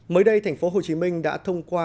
mới đây thành phố hồ chí minh đã thông qua